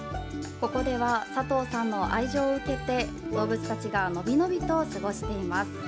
ここでは佐藤さんの愛情を受けて動物たちがのびのびと過ごしています。